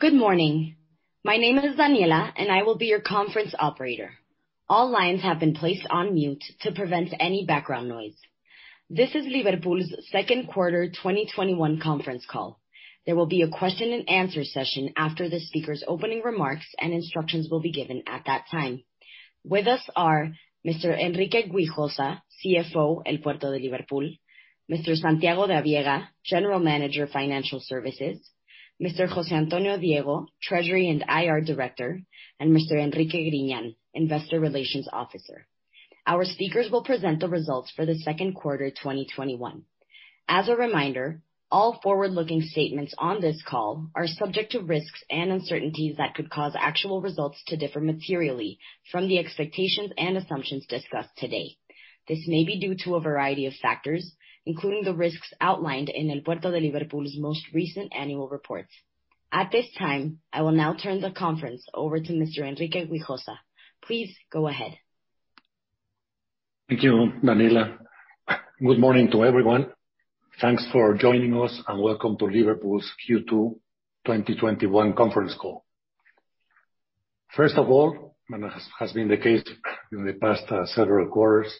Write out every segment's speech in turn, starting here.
Good morning. My name is Daniela, I will be your conference operator. All lines have been placed on mute to prevent any background noise. This is Liverpool's second quarter 2021 conference call. There will be a question and answer session after the speaker's opening remarks, instructions will be given at that time. With us are Mr. Enrique Güijosa, CFO, El Puerto de Liverpool, Mr. Santiago de Abiega, General Manager of Financial Services, Mr. José Antonio Diego, Treasury and IR Director, Mr. Enrique Griñán, Investor Relations Officer. Our speakers will present the results for the second quarter 2021. As a reminder, all forward-looking statements on this call are subject to risks and uncertainties that could cause actual results to differ materially from the expectations and assumptions discussed today. This may be due to a variety of factors, including the risks outlined in El Puerto de Liverpool's most recent annual report. At this time, I will now turn the conference over to Mr. Enrique Güijosa. Please go ahead. Thank you, Daniela. Good morning to everyone. Thanks for joining us. Welcome to Liverpool's Q2 2021 conference call. First of all, as has been the case in the past several quarters,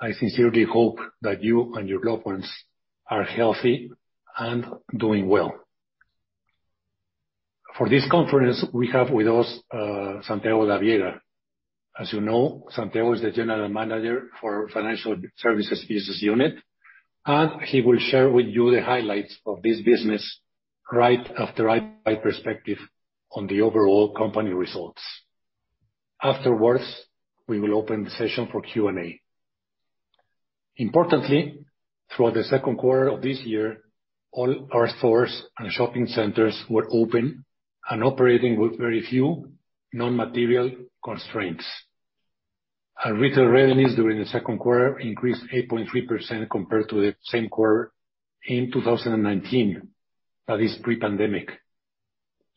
I sincerely hope that you and your loved ones are healthy and doing well. For this conference, we have with us Santiago de Abiega. As you know, Santiago is the General Manager for Financial Services business unit. He will share with you the highlights of this business right after I provide perspective on the overall company results. Afterwards, we will open the session for Q&A. Throughout the second quarter of this year, all our stores and shopping centers were open and operating with very few non-material constraints. Our retail revenues during the second quarter increased 8.3% compared to the same quarter in 2019. That is pre-pandemic.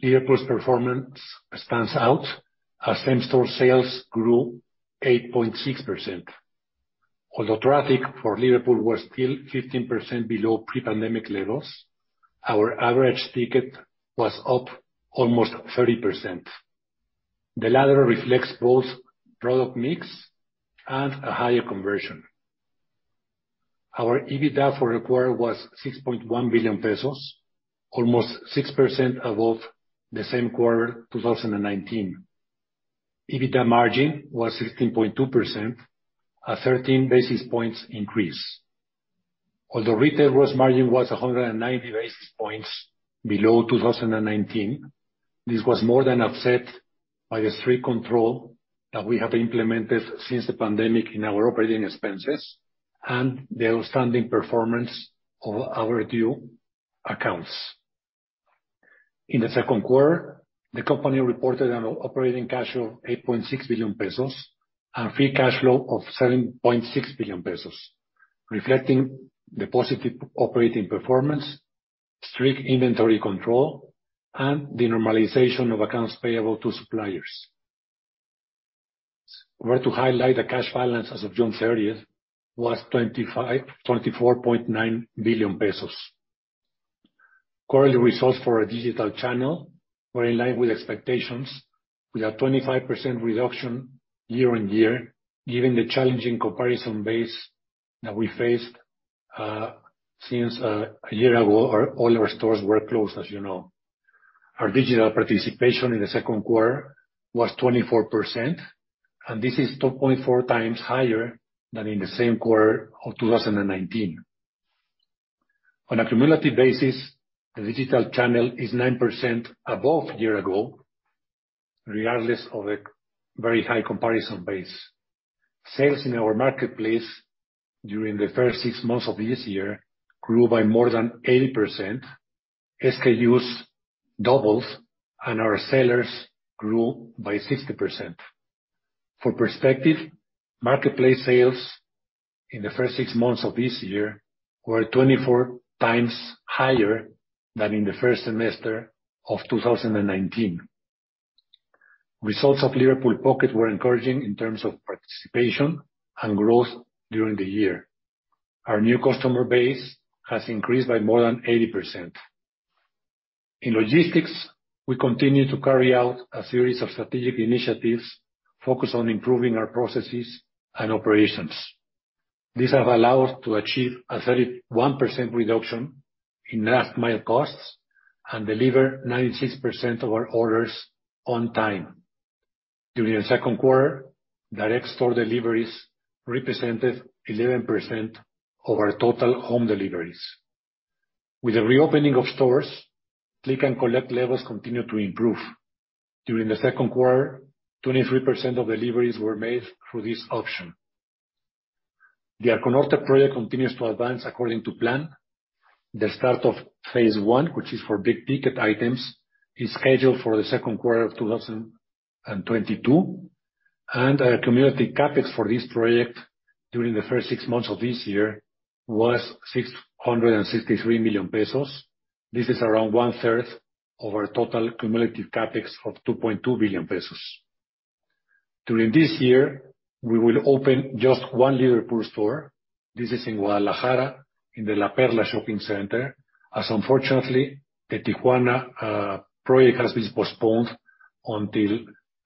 Liverpool's performance stands out as same-store sales grew 8.6%. Although traffic for Liverpool was still 15% below pre-pandemic levels, our average ticket was up almost 30%. The latter reflects both product mix and a higher conversion. Our EBITDA for the quarter was 6.1 billion pesos, almost 6% above the same quarter 2019. EBITDA margin was 16.2%, a 13 basis points increase. Although retail gross margin was 190 basis points below 2019, this was more than offset by the strict control that we have implemented since the pandemic in our operating expenses and the outstanding performance of our new accounts. In the second quarter, the company reported an operating cash of 8.6 billion pesos and free cash flow of 7.6 billion pesos, reflecting the positive operating performance, strict inventory control, and the normalization of accounts payable to suppliers. We are to highlight the cash balance as of June 30th was 24.9 billion pesos. Quarterly results for our digital channel were in line with expectations, with a 25% reduction year-on-year, given the challenging comparison base that we faced, since a year ago, all our stores were closed, as you know. Our digital participation in the second quarter was 24%, this is 2.4 times higher than in the same quarter of 2019. On a cumulative basis, the digital channel is 9% above year ago, regardless of the very high comparison base. Sales in our marketplace during the first six months of this year grew by more than 80%, SKUs doubles, and our sellers grew by 60%. For perspective, marketplace sales in the first 6 months of this year were 24 times higher than in the first semester of 2019. Results of Liverpool Pocket were encouraging in terms of participation and growth during the year. Our new customer base has increased by more than 80%. In logistics, we continue to carry out a series of strategic initiatives focused on improving our processes and operations. These have allowed to achieve a 31% reduction in last mile costs and deliver 96% of our orders on time. During the second quarter, direct store deliveries represented 11% of our total home deliveries. With the reopening of stores, Click & Collect levels continue to improve. During the second quarter, 23% of deliveries were made through this option. The Arco Norte project continues to advance according to plan. The start of phase I, which is for big ticket items, is scheduled for the second quarter of 2022, and our cumulative CapEx for this project during the first six months of this year was 663 million pesos. This is around 1/3 of our total cumulative CapEx of 2.2 billion pesos. During this year, we will open just one Liverpool store. This is in Guadalajara in the La Perla shopping center, as unfortunately, the Tijuana project has been postponed until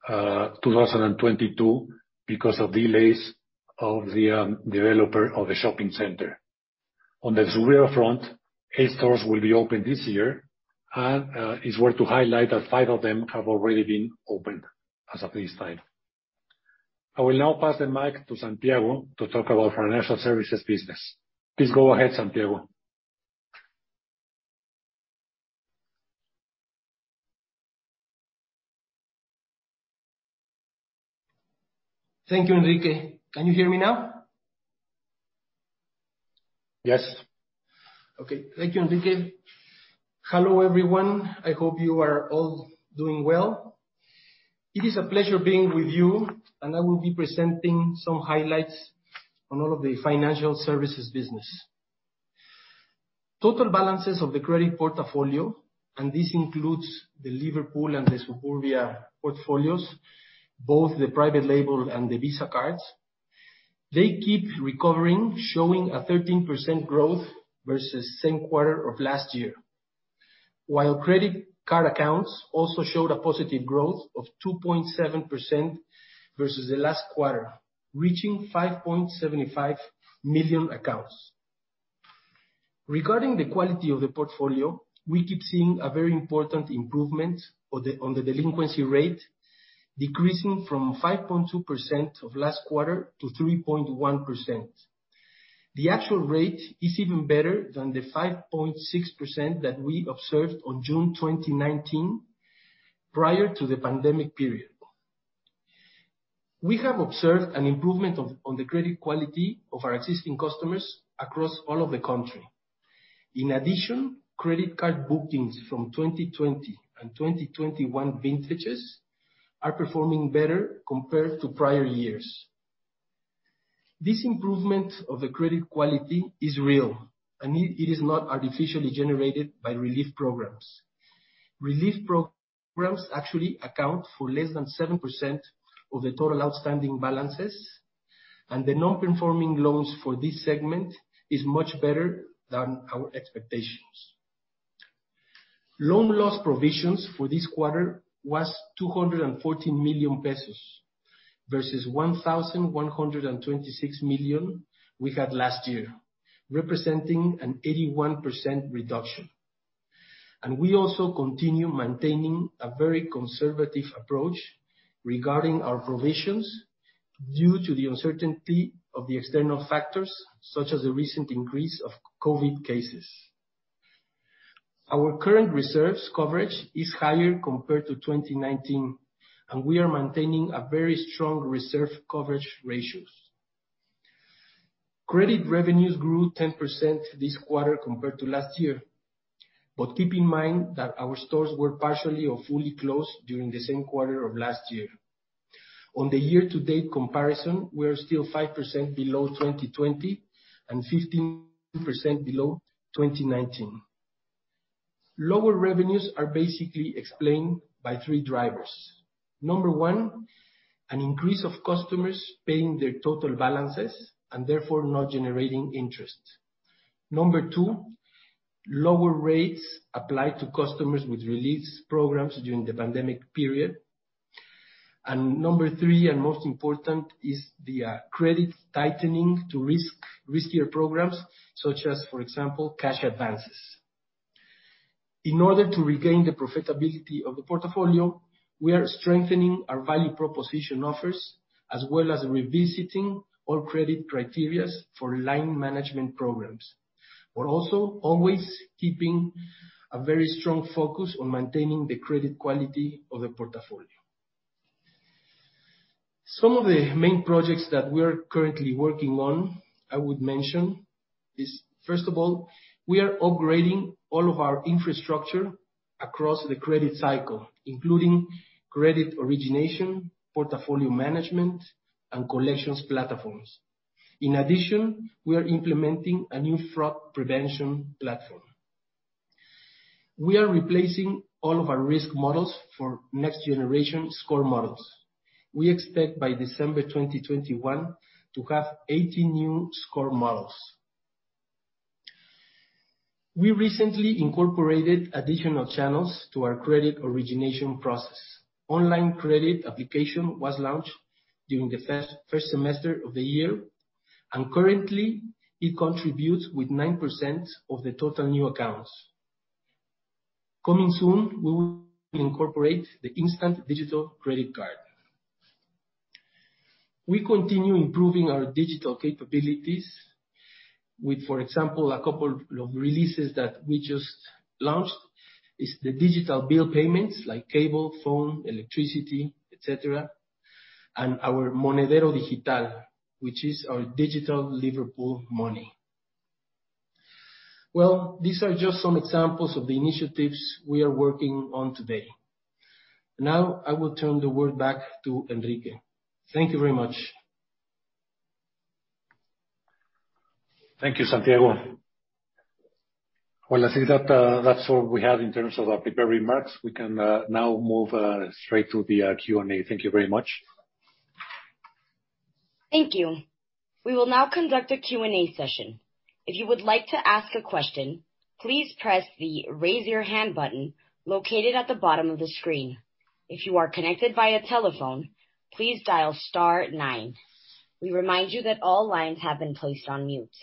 2022 because of delays of the developer of the shopping center. On the Suburbia front, eight stores will be opened this year and it's worth to highlight that five of them have already been opened as of this time. I will now pass the mic to Santiago to talk about financial services business. Please go ahead, Santiago. Thank you, Enrique. Can you hear me now? Yes. Okay. Thank you, Enrique. Hello, everyone. I hope you are all doing well. It is a pleasure being with you. I will be presenting some highlights on all of the financial services business. Total balances of the credit portfolio, this includes the Liverpool and the Suburbia portfolios, both the private label and the Visa cards, they keep recovering, showing a 13% growth versus same quarter of last year. While credit card accounts also showed a positive growth of 2.7% versus the last quarter, reaching 5.75 million accounts. Regarding the quality of the portfolio, we keep seeing a very important improvement on the delinquency rate, decreasing from 5.2% of last quarter to 3.1%. The actual rate is even better than the 5.6% that we observed on June 2019 prior to the pandemic period. We have observed an improvement on the credit quality of our existing customers across all of the country. In addition, credit card bookings from 2020 and 2021 vintages are performing better compared to prior years. This improvement of the credit quality is real and it is not artificially generated by relief programs. Relief programs actually account for less than 7% of the total outstanding balances, and the non-performing loans for this segment is much better than our expectations. Loan loss provisions for this quarter was 214 million pesos versus 1,126 million we had last year, representing an 81% reduction. We also continue maintaining a very conservative approach regarding our provisions due to the uncertainty of the external factors, such as the recent increase of COVID cases. Our current reserves coverage is higher compared to 2019, and we are maintaining a very strong reserve coverage ratios. Credit revenues grew 10% this quarter compared to last year. Keep in mind that our stores were partially or fully closed during the same quarter of last year. On the year-to-date comparison, we are still 5% below 2020 and 15% below 2019. Lower revenues are basically explained by three drivers. Number one, an increase of customers paying their total balances and therefore not generating interest. Number two, lower rates applied to customers with relief programs during the pandemic period. Number three, and most important, is the credit tightening to riskier programs such as, for example, cash advances. In order to regain the profitability of the portfolio, we are strengthening our value proposition offers, as well as revisiting all credit criteria for line management programs, but also always keeping a very strong focus on maintaining the credit quality of the portfolio. Some of the main projects that we're currently working on, I would mention is, first of all, we are upgrading all of our infrastructure across the credit cycle, including credit origination, portfolio management, and collections platforms. In addition, we are implementing a new fraud prevention platform. We are replacing all of our risk models for next generation score models. We expect by December 2021 to have 80 new score models. We recently incorporated additional channels to our credit origination process. Online credit application was launched during the first semester of the year, and currently it contributes with 9% of the total new accounts. Coming soon, we will incorporate the instant digital credit card. We continue improving our digital capabilities with, for example, a couple of releases that we just launched is the digital bill payments like cable, phone, electricity, et cetera, and our Monedero Digital, which is our digital Liverpool money. Well, these are just some examples of the initiatives we are working on today. I will turn the word back to Enrique. Thank you very much. Thank you, Santiago. Well, I think that's all we have in terms of our prepared remarks. We can now move straight to the Q&A. Thank you very much. Thank you. We will now conduct a Q&A session. If you would like to ask a question, please press the Raise Your Hand button located at the bottom of the screen. If you are connected via telephone, please dial star nine. We remind you that all lines have been placed on mute.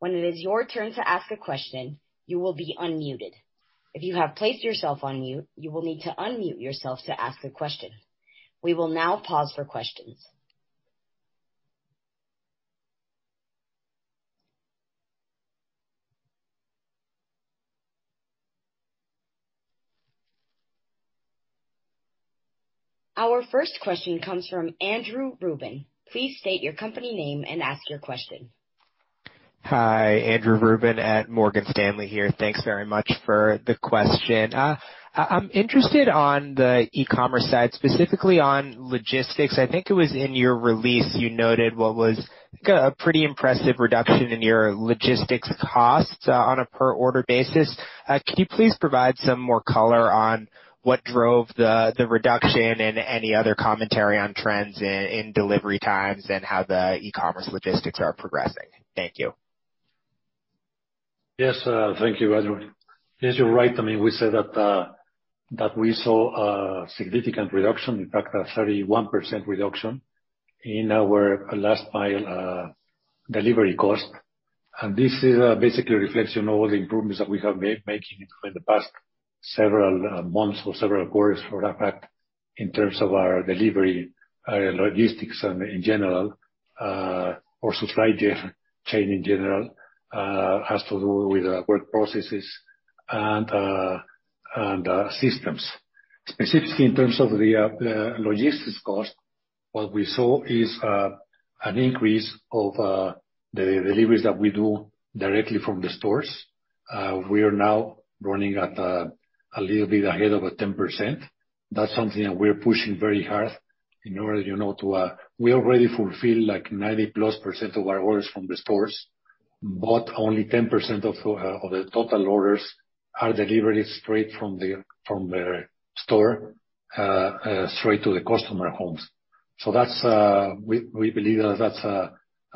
When it is your turn to ask a question, you will be unmuted. If you have placed yourself on mute, you will need to unmute yourself to ask a question. We will now pause for questions. Our first question comes from Andrew Ruben. Please state your company name and ask your question. Hi. Andrew Ruben at Morgan Stanley here. Thanks very much for the question. I'm interested on the e-commerce side, specifically on logistics. I think it was in your release, you noted what was, I think, a pretty impressive reduction in your logistics costs on a per order basis. Can you please provide some more color on what drove the reduction and any other commentary on trends in delivery times and how the e-commerce logistics are progressing? Thank you. Yes. Thank you, Andrew. Yes, you're right. We said that we saw a significant reduction, in fact, a 31% reduction in our last mile delivery cost. This is basically a reflection of all the improvements that we have made making it for the past several months or several quarters for that fact, in terms of our delivery, logistics and in general, our supply chain in general, has to do with work processes and systems. Specifically in terms of the logistics cost, what we saw is an increase of the deliveries that we do directly from the stores. We are now running at a little bit ahead of 10%. That's something that we're pushing very hard. We already fulfill 90%+ of our orders from the stores, but only 10% of the total orders are delivered straight from the store straight to the customer homes. We believe that's a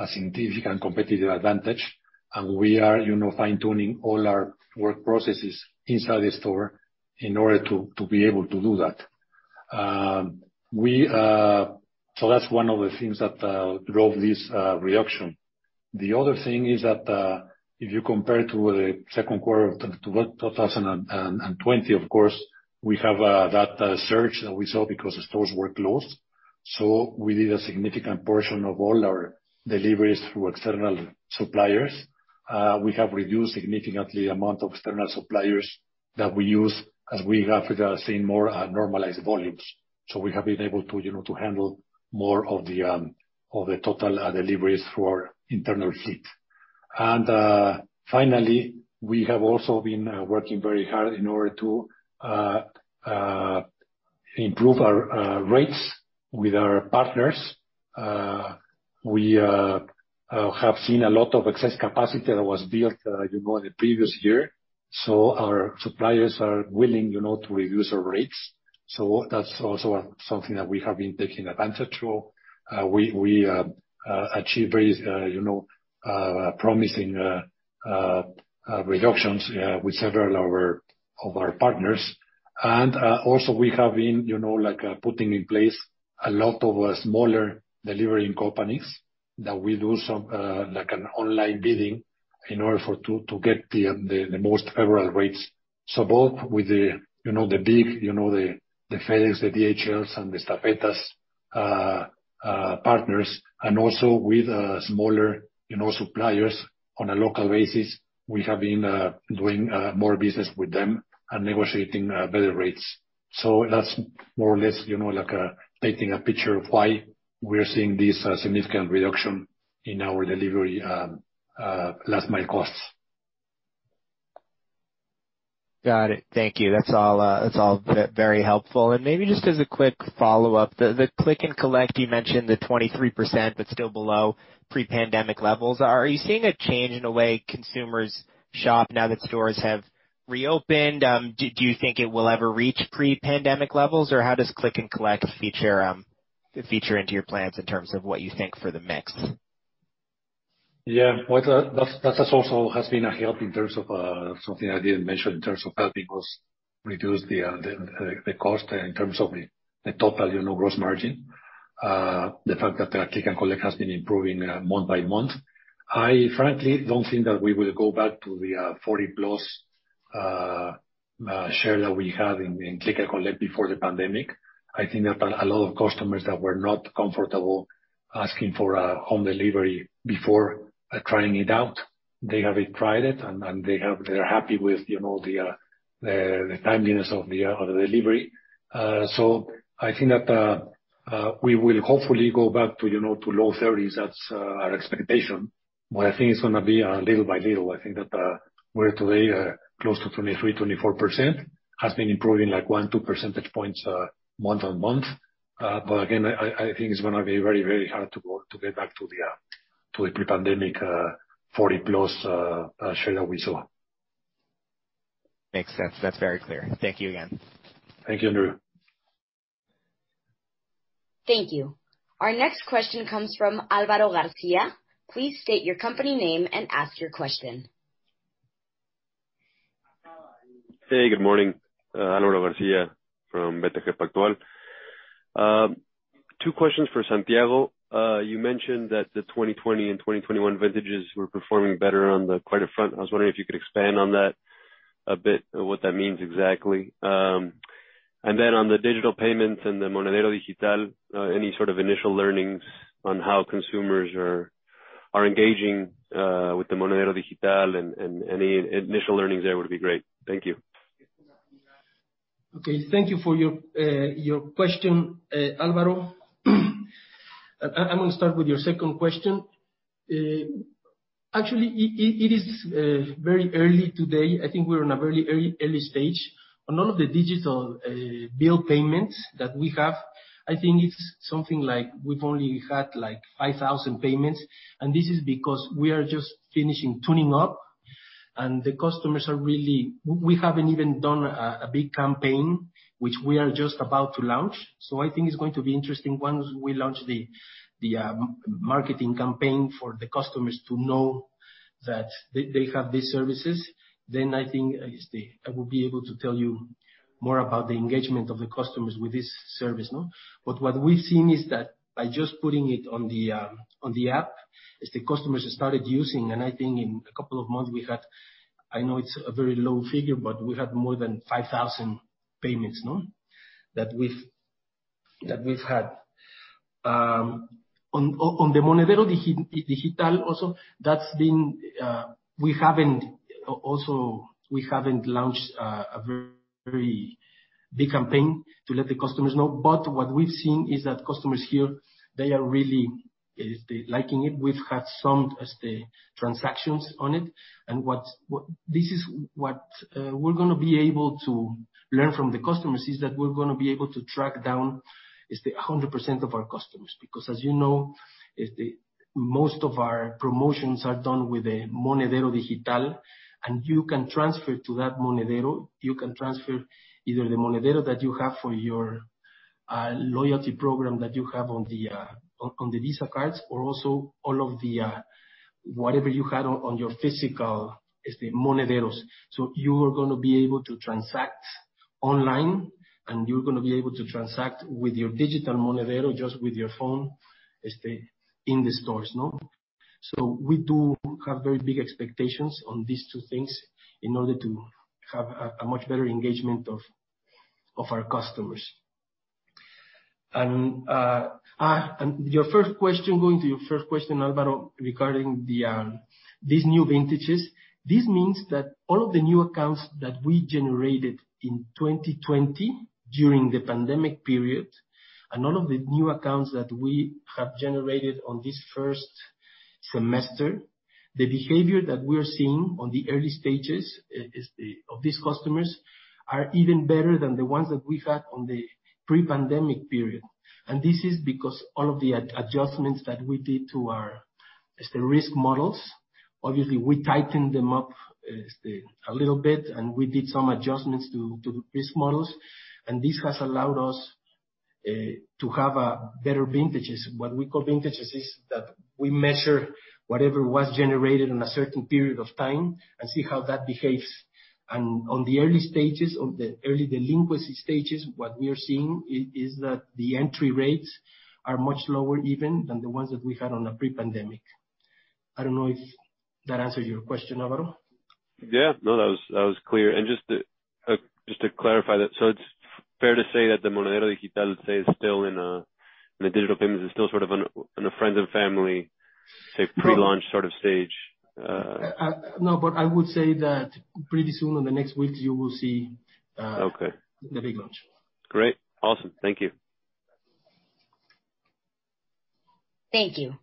significant competitive advantage, and we are fine-tuning all our work processes inside the store in order to be able to do that. That's one of the things that drove this reduction. The other thing is that, if you compare to the second quarter of 2020, of course, we have that surge that we saw because the stores were closed. We did a significant portion of all our deliveries through external suppliers. We have reduced significantly amount of external suppliers that we use as we have seen more normalized volumes. We have been able to handle more of the total deliveries through our internal fleet. Finally, we have also been working very hard in order to improve our rates with our partners. We have seen a lot of excess capacity that was built in the previous year. Our suppliers are willing to reduce our rates. That's also something that we have been taking advantage of. We achieve very promising reductions with several of our partners. Also we have been putting in place a lot of smaller delivering companies that we do some online bidding in order to get the most favorable rates. Both with the big, the FedEx, the DHLs and the Estafetas partners, and also with smaller suppliers on a local basis, we have been doing more business with them and negotiating better rates. That's more or less like painting a picture of why we're seeing this significant reduction in our delivery last mile costs. Got it. Thank you. That's all very helpful. Maybe just as a quick follow-up, the Click & Collect, you mentioned the 23%, but still below pre-pandemic levels. Are you seeing a change in the way consumers shop now that stores have reopened? Do you think it will ever reach pre-pandemic levels? How does Click & Collect feature into your plans in terms of what you think for the mix? That also has been a help in terms of something I didn't mention in terms of helping us reduce the cost in terms of the top value, gross margin. The fact that the Click & Collect has been improving month by month. I frankly don't think that we will go back to the 40+ share that we had in Click & Collect before the pandemic. I think that a lot of customers that were not comfortable asking for a home delivery before trying it out, they have tried it, and they're happy with the timeliness of the delivery. I think that we will hopefully go back to low 30s. That's our expectation. What I think it's going to be little by little. I think that we're today close to 23%, 24%. Has been improving 1, 2 percentage points month on month. Again, I think it's going to be very hard to go back to the pre-pandemic 40+ share that we saw. Makes sense. That's very clear. Thank you again. Thank you, Andrew. Thank you. Our next question comes from Alvaro Garcia. Please state your company name and ask your question. Hey, good morning. Alvaro Garcia from BTG Pactual. Two questions for Santiago. You mentioned that the 2020 and 2021 vintages were performing better on the credit front. I was wondering if you could expand on that a bit, what that means exactly. On the digital payments and the Monedero Digital, any sort of initial learnings on how consumers are engaging with the Monedero Digital and any initial learnings there would be great. Thank you. Okay. Thank you for your question, Alvaro. I'm going to start with your second question. Actually, it is very early today. I think we're in a very early stage on all of the digital bill payments that we have. I think it's something like, we've only had 5,000 payments, and this is because we are just finishing tuning up. We haven't even done a big campaign, which we are just about to launch. I think it's going to be interesting once we launch the marketing campaign for the customers to know that they have these services. I think I will be able to tell you more about the engagement of the customers with this service, no? What we've seen is that by just putting it on the app, is the customers started using, and I think in a couple of months we had, I know it's a very low figure, but we had more than 5,000 payments, no. That we've had. On the Monedero Digital also, we haven't launched a very big campaign to let the customers know, but what we've seen is that customers here, they are really liking it. We've had some transactions on it. What we're going to be able to learn from the customers is that we're going to be able to track down is 100% of our customers, because as you know, most of our promotions are done with the Monedero Digital, and you can transfer to that Monedero. You can transfer either the Monedero that you have for your loyalty program that you have on the Visa cards, or also all of the, whatever you had on your physical Monederos. You are going to be able to transact online, and you're going to be able to transact with your Digital Monedero just with your phone, in the stores, no. We do have very big expectations on these two things in order to have a much better engagement of our customers. Your first question, going to your first question, Alvaro, regarding these new vintages. This means that all of the new accounts that we generated in 2020 during the pandemic period, and all of the new accounts that we have generated on this first semester, the behavior that we're seeing on the early stages of these customers are even better than the ones that we've had on the pre-pandemic period. This is because all of the adjustments that we did to our risk models, obviously, we tightened them up a little bit, and we did some adjustments to risk models, and this has allowed us to have better vintages. What we call vintages is that we measure whatever was generated in a certain period of time and see how that behaves. On the early stages, on the early delinquency stages, what we are seeing is that the entry rates are much lower even than the ones that we had on the pre-pandemic. I don't know if that answered your question, Alvaro. Yeah. No, that was clear. Just to clarify that, it's fair to say that the Monedero Digital, the digital payments, is still sort of on a friends and family, say, pre-launch sort of stage. No, I would say that pretty soon, in the next weeks. Okay. You will see the big launch. Great. Awesome. Thank you. Thank you.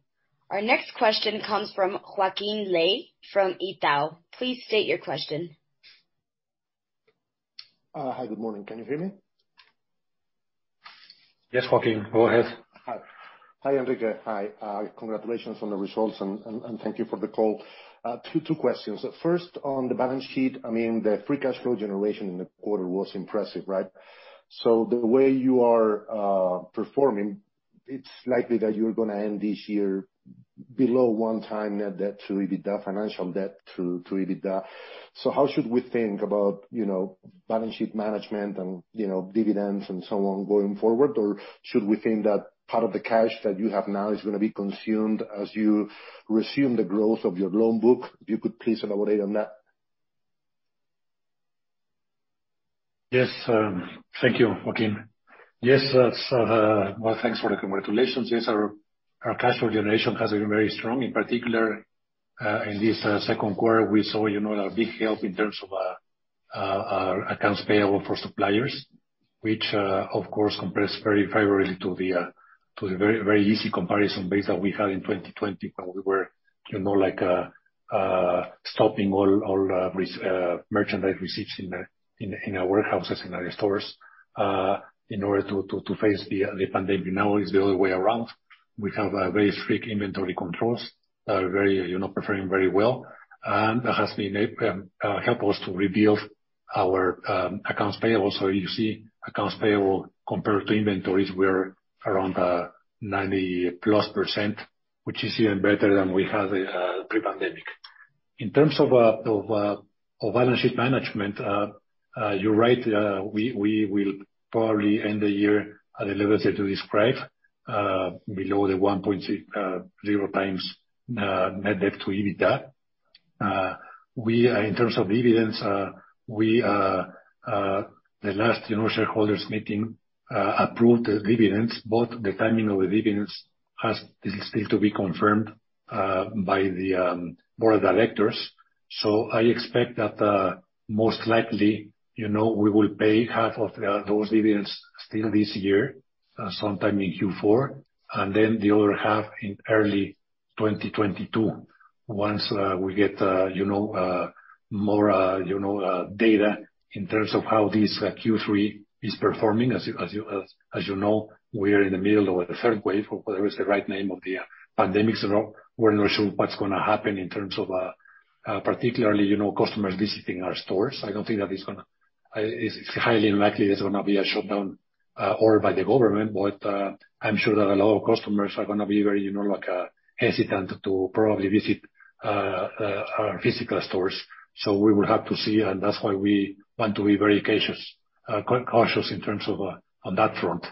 Our next question comes from Joaquin Ley from Itaú. Please state your question. Hi. Good morning. Can you hear me? Yes, Joaquin, go ahead. Hi. Hi, Enrique. Hi. Congratulations on the results, and thank you for the call. Two questions. First, on the balance sheet, the free cash flow generation in the quarter was impressive, right? The way you are performing, it's likely that you're going to end this year below 1x net debt to EBITDA, financial debt to EBITDA. How should we think about balance sheet management and dividends and so on going forward? Should we think that part of the cash that you have now is going to be consumed as you resume the growth of your loan book? If you could please elaborate on that. Thank you, Joaquin. Well, thanks for the congratulations. Our cash flow generation has been very strong. In particular, in this second quarter, we saw a big help in terms of our accounts payable for suppliers, which, of course, compares very favorably to the very easy comparison base that we had in 2020 when we were stopping all merchandise receipts in our warehouses, in our stores, in order to face the pandemic. Now it's the other way around. We have very strict inventory controls, performing very well. That has helped us to rebuild our accounts payable. You see accounts payable compared to inventories were around 90%+, which is even better than we had pre-pandemic. In terms of our balance sheet management, you're right, we will probably end the year at a level that we describe below the 1.0x net debt to EBITDA. In terms of dividends, the last shareholders meeting approved the dividends, the timing of the dividends is still to be confirmed by the Board of Directors. I expect that, most likely, we will pay half of those dividends still this year, sometime in Q4, and then the other half in early 2022. Once we get more data in terms of how this Q3 is performing. As you know, we are in the middle of the third wave, or whatever is the right name of the pandemic. We're not sure what's going to happen in terms of, particularly, customers visiting our stores. It's highly unlikely there's going to be a shutdown ordered by the government, but I'm sure that a lot of customers are going to be very hesitant to probably visit our physical stores. We will have to see. That's why we want to be very cautious on that front.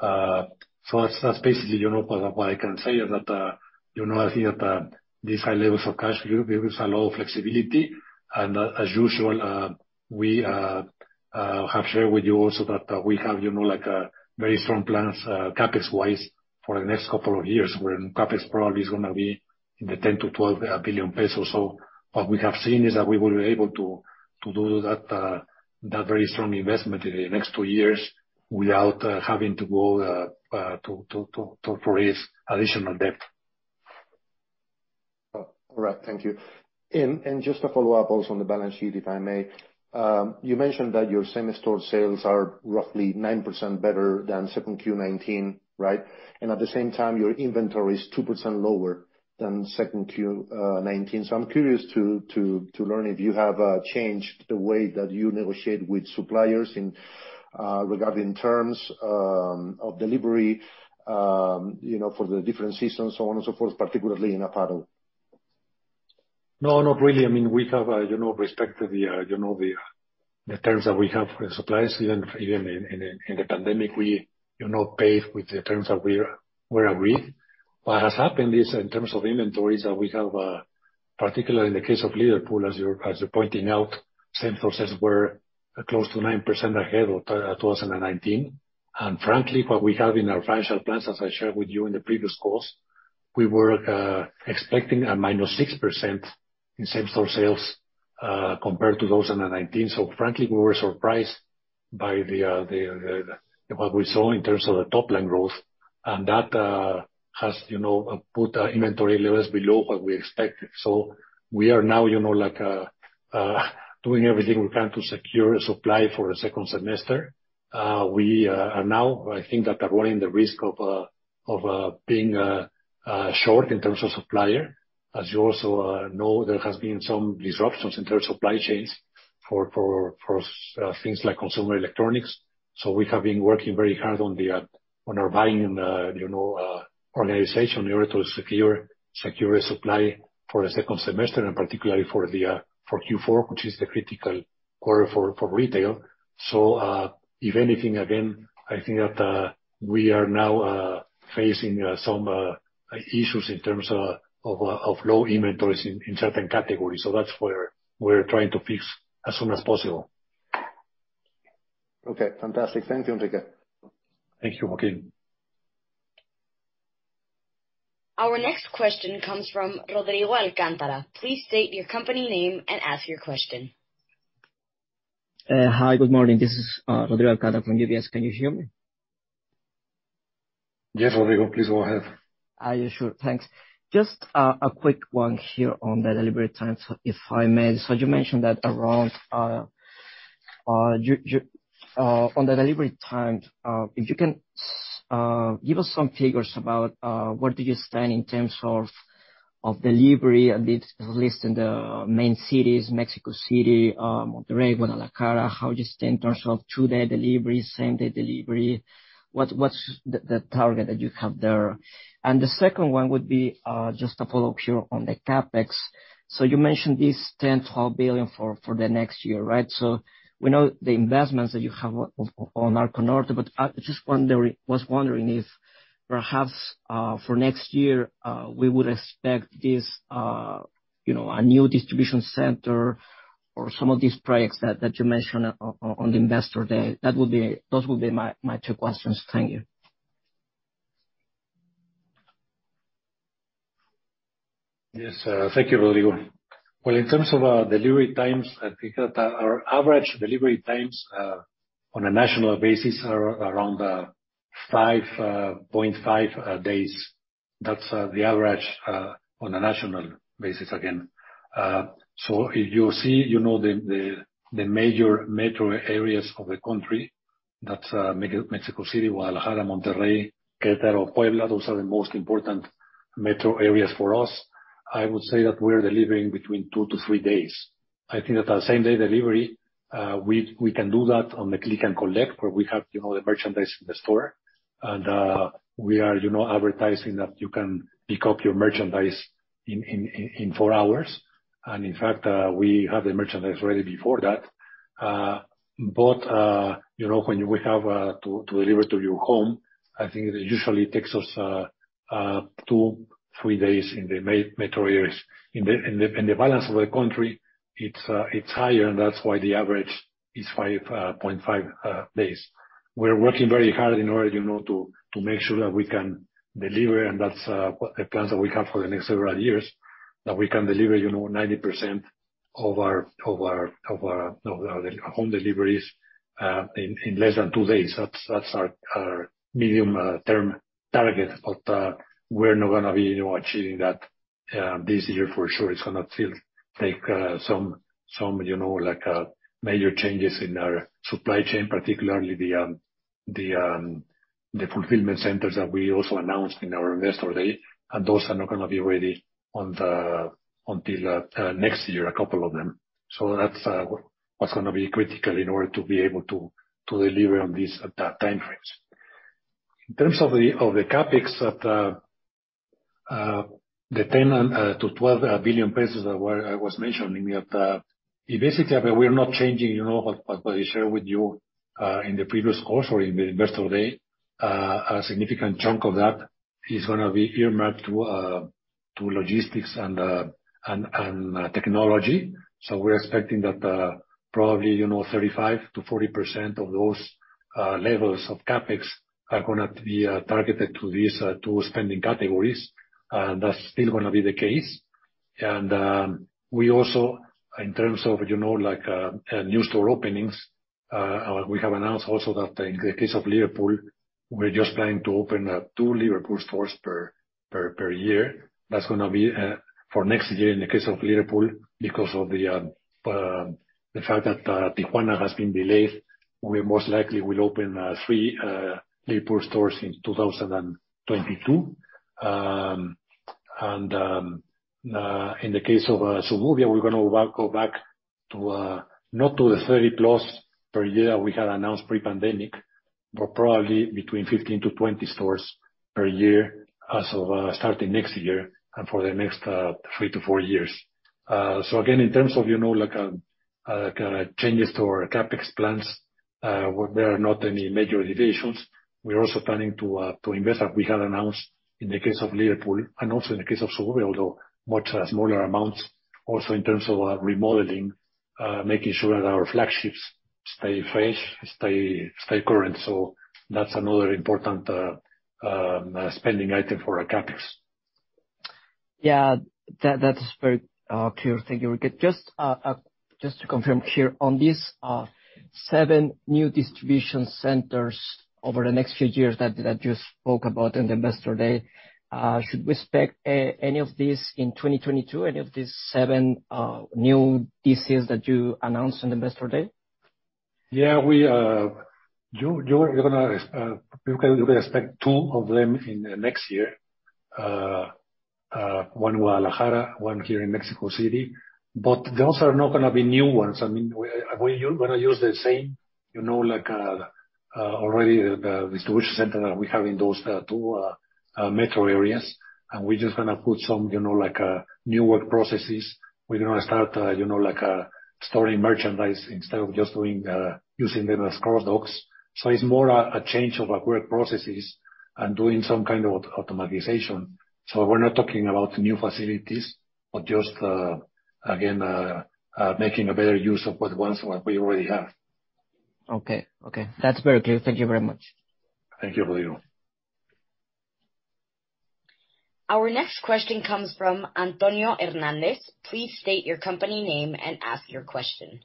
That's basically what I can say is that these high levels of cash gives us a lot of flexibility. As usual, we have shared with you also that we have very strong plans CapEx-wise for the next couple of years, when CapEx probably is going to be in the 10 billion-12 billion pesos. What we have seen is that we will be able to do that very strong investment in the next two years without having to go to raise additional debt. All right. Thank you. Just to follow up also on the balance sheet, if I may. You mentioned that your same-store sales are roughly 9% better than second Q 2019, right? At the same time, your inventory is 2% lower than second Q 2019. I'm curious to learn if you have changed the way that you negotiate with suppliers regarding terms of delivery for the different seasons, so on and so forth, particularly in apparel. No, not really. We have respected the terms that we have with suppliers. Even in the pandemic, we paid with the terms that were agreed. What has happened is, in terms of inventories, that we have, particularly in the case of Liverpool, as you're pointing out, same process, we're close to 9% ahead of 2019. Frankly, what we have in our financial plans, as I shared with you in the previous calls, we were expecting a -6% in same-store sales compared to 2019. Frankly, we were surprised by what we saw in terms of the top-line growth. That has put our inventory levels below what we expected. We are now doing everything we can to secure supply for the second semester. We are now, I think that are running the risk of being short in terms of supplier. As you also know, there has been some disruptions in terms of supply chains for things like consumer electronics. We have been working very hard on our buying organization in order to secure supply for the second semester and particularly for Q4, which is the critical quarter for retail. If anything, again, I think that we are now facing some issues in terms of low inventories in certain categories. That's where we're trying to fix as soon as possible. Okay, fantastic. Thank you, Enrique. Thank you, Joaquin. Our next question comes from Rodrigo Alcántara. Please state your company name and ask your question. Hi, good morning. This is Rodrigo Alcántara from UBS. Can you hear me? Yes, Rodrigo, please go ahead. Sure. Thanks. Just a quick one here on the delivery times, if I may. You mentioned on the delivery times, if you can give us some figures about where do you stand in terms of delivery, at least in the main cities, Mexico City, Monterrey, Guadalajara. How do you stand in terms of two-day delivery, same-day delivery? What's the target that you have there? The second one would be just a follow-up here on the CapEx. You mentioned this 10 billion-12 billion for the next year, right? We know the investments that you have on Arco Norte, I just was wondering if perhaps, for next year, we would expect a new distribution center or some of these projects that you mentioned on Investor Day. Those would be my two questions. Thank you. Yes. Thank you, Rodrigo. In terms of our delivery times, I think that our average delivery times on a national basis are around 5.5 days. That's the average on a national basis again. You see the major metro areas of the country, that's Mexico City, Guadalajara, Monterrey, Querétaro, Puebla. Those are the most important metro areas for us. I would say that we're delivering between two to three days. I think that same-day delivery, we can do that on the Click & Collect, where we have the merchandise in the store. We are advertising that you can pick up your merchandise in four hours. In fact, we have the merchandise ready before that. When we have to deliver to your home, I think it usually takes us two, three days in the metro areas. In the balance of the country, it's higher, and that's why the average is 5.5 days. We're working very hard in order to make sure that we can deliver, and that's the plans that we have for the next several years, that we can deliver 90% of our home deliveries in less than two days. That's our medium-term target, but we're not going to be achieving that this year for sure. It's going to still take some major changes in our supply chain, particularly the fulfillment centers that we also announced in our Investor Day. Those are not going to be ready until next year, a couple of them. That's what's going to be critical in order to be able to deliver on that time frames. In terms of the CapEx of the 10 billion-12 billion pesos that was mentioned, basically, we're not changing what I shared with you in the previous call or in the Investor Day. A significant chunk of that is going to be earmarked to logistics and technology. We're expecting that probably 35%-40% of those levels of CapEx are going to be targeted to these two spending categories, and that's still going to be the case. We also, in terms of new store openings, we have announced also that in the case of Liverpool, we're just planning to open two Liverpool stores per year. That's going to be for next year in the case of Liverpool. Because of the fact that Tijuana has been delayed, we most likely will open three Liverpool stores in 2022. In the case of Suburbia, we're going to go back to, not to the 30+ per year we had announced pre-pandemic, but probably between 15-20 stores per year starting next year and for the next three to four years. Again, in terms of changes to our CapEx plans, there are not any major deviations. We're also planning to invest, as we had announced, in the case of Liverpool and also in the case of Suburbia, although much smaller amounts. Also in terms of remodeling, making sure that our flagships stay fresh, stay current. That's another important spending item for our CapEx. Yeah. That is very clear. Thank you, Enrique. Just to confirm here, on these seven new distribution centers over the next few years that you spoke about in Investor Day, should we expect any of these in 2022, any of these seven new DCs that you announced on Investor Day? Yeah. You can expect two of them in next year. One in Guadalajara, one here in Mexico City. Those are not going to be new ones. We're going to use the same distribution center that we have in those two metro areas, and we're just going to put some new work processes. We're going to start storing merchandise instead of just using them as cross-docks. It's more a change of our work processes and doing some kind of automatization. We're not talking about new facilities, but just, again, making a better use of what ones what we already have. Okay. That's very clear. Thank you very much. Thank you, Rodrigo. Our next question comes from Antonio Hernández. Please state your company name and ask your question.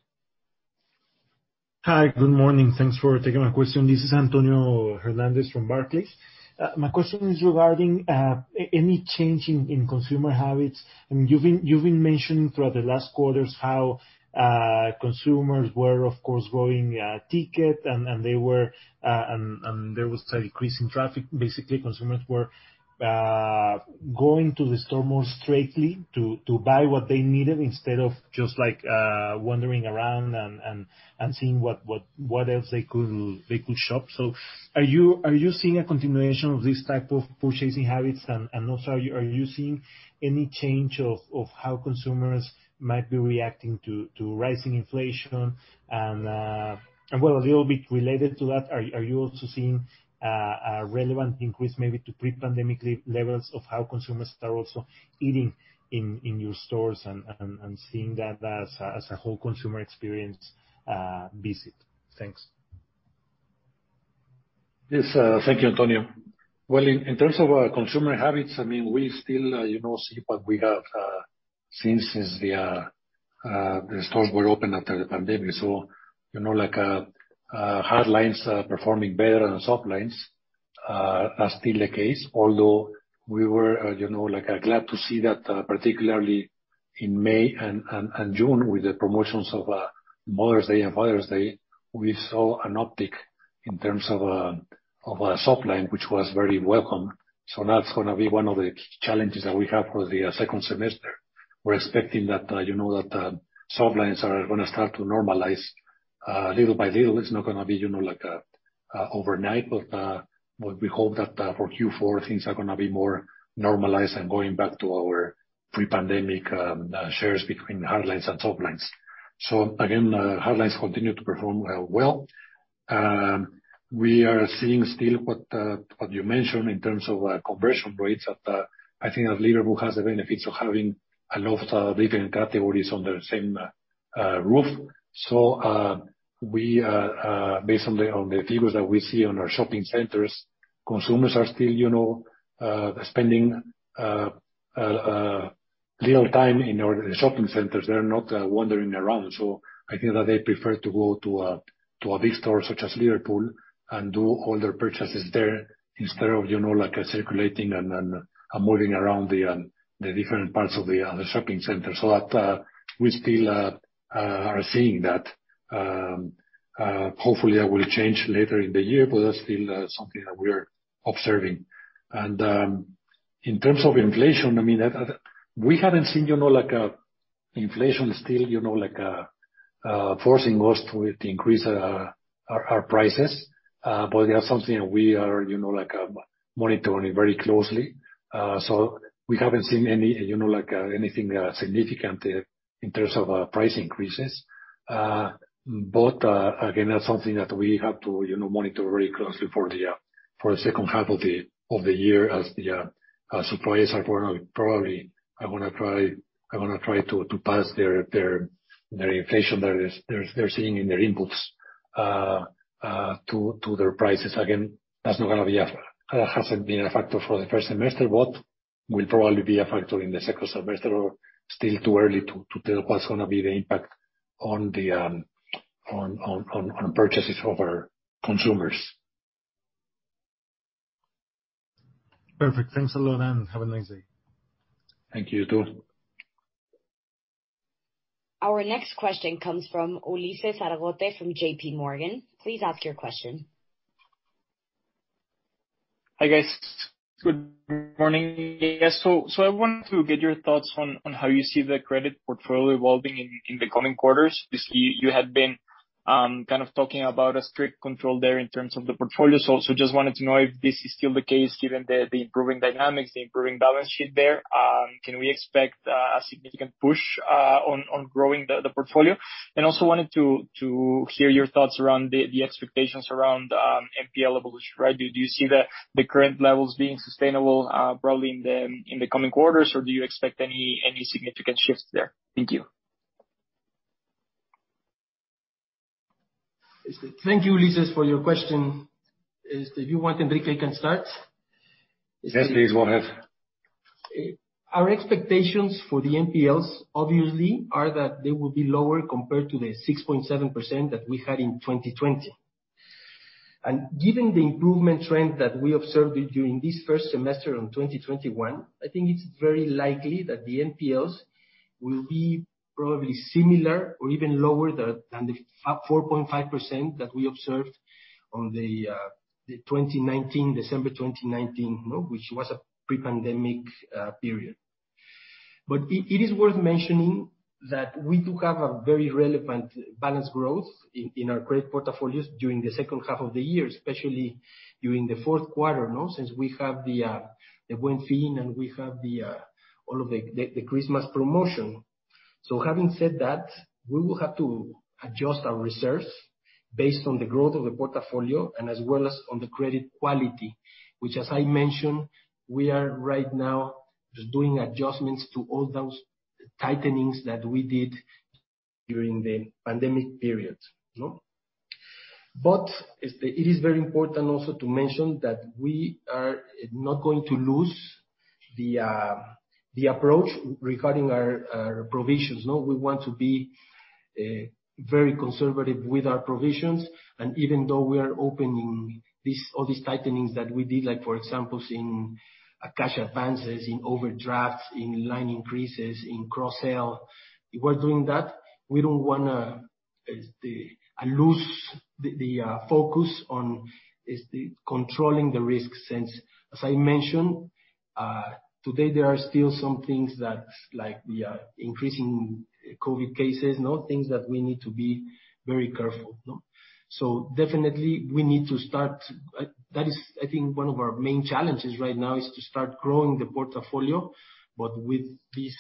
Hi. Good morning. Thanks for taking my question. This is Antonio Hernández from Barclays. My question is regarding any change in consumer habits. You've been mentioning throughout the last quarters how consumers were, of course, growing ticket and there was decreasing traffic. Basically, consumers were going to the store more straightly to buy what they needed instead of just wandering around and seeing what else they could shop. Are you seeing a continuation of these type of purchasing habits? Also, are you seeing any change of how consumers might be reacting to rising inflation? Well, a little bit related to that, are you also seeing a relevant increase, maybe to pre-pandemic levels, of how consumers are also eating in your stores and seeing that as a whole consumer experience visit? Thanks. Yes. Thank you, Antonio. Well, in terms of consumer habits, we still see what we have seen since the stores were open after the pandemic. Hardlines performing better than Softlines, that's still the case. Although we were glad to see that, particularly in May and June with the promotions of Mother's Day and Father's Day, we saw an uptick in terms of Softlines, which was very welcome. That's going to be one of the challenges that we have for the second semester. We're expecting that Softlines are going to start to normalize little by little. It's not going to be overnight. We hope that for Q4, things are going to be more normalized and going back to our pre-pandemic shares between Hardlines and Softlines. Again, Hardlines continue to perform well. We are seeing still what you mentioned in terms of conversion rates. I think that Liverpool has the benefit of having a lot of different categories under the same roof. Based on the figures that we see in our shopping centers, consumers are still spending little time in our shopping centers. They're not wandering around. I think that they prefer to go to a big store such as Liverpool and do all their purchases there instead of circulating and moving around the different parts of the shopping center. That, we still are seeing that. Hopefully, that will change later in the year, but that's still something that we're observing. In terms of inflation, we haven't seen inflation still forcing us to increase our prices. That's something that we are monitoring very closely. We haven't seen anything significant in terms of price increases. Again, that's something that we have to monitor very closely for the second half of the year as the suppliers are going to probably want to try to pass their inflation that they're seeing in their inputs to their prices. Again, that hasn't been a factor for the first semester, but will probably be a factor in the second semester. Still too early to tell what's going to be the impact on purchases of our consumers. Perfect. Thanks a lot, and have a nice day. Thank you. You too. Our next question comes from Ulises Argote from JPMorgan. Please ask your question. Hi, guys. Good morning. I wanted to get your thoughts on how you see the credit portfolio evolving in the coming quarters. You had been kind of talking about a strict control there in terms of the portfolio. Also just wanted to know if this is still the case, given the improving dynamics, the improving balance sheet there. Can we expect a significant push on growing the portfolio? Also wanted to hear your thoughts around the expectations around NPL evolution. Do you see the current levels being sustainable, probably in the coming quarters? Do you expect any significant shifts there? Thank you. Thank you, Ulises, for your question. If you want, Enrique, you can start. Yes, please, go ahead. Our expectations for the NPLs, obviously, are that they will be lower compared to the 6.7% that we had in 2020. Given the improvement trend that we observed during this first semester of 2021, I think it's very likely that the NPLs will be probably similar or even lower than the 4.5% that we observed on December 2019, which was a pre-pandemic period. It is worth mentioning that we do have a very relevant balance growth in our credit portfolios during the second half of the year, especially during the fourth quarter, since we have the Buen Fin, and we have all of the Christmas promotion. Having said that, we will have to adjust our reserves based on the growth of the portfolio and as well as on the credit quality, which as I mentioned, we are right now doing adjustments to all those tightenings that we did during the pandemic period. It is very important also to mention that we are not going to lose the approach regarding our provisions. We want to be very conservative with our provisions. Even though we are opening all these tightenings that we did, like for example, in cash advances, in overdrafts, in line increases, in cross-sell, while doing that, we don't want to lose the focus on controlling the risks, since, as I mentioned, today there are still some things that, like the increasing COVID cases. Things that we need to be very careful. Definitely, that is I think one of our main challenges right now, is to start growing the portfolio, but with this